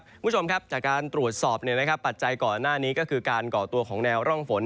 คุณผู้ชมครับจากการตรวจสอบปัจจัยก่อนหน้านี้ก็คือการก่อตัวของแนวร่องฝน